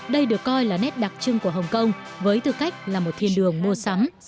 đây được coi là nét đặc trưng của hồng kông với tư cách là một thiên đường mua sắm